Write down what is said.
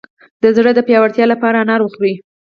د زړه د پیاوړتیا لپاره انار وخورئ